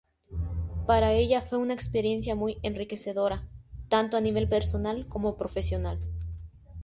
Para ella fue una experiencia muy enriquecedora, tanto a nivel personal como profesional.